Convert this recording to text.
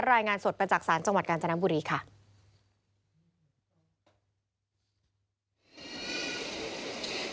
รายงานสดมาจากศาลจังหวัดกาญจนบุรีค่ะ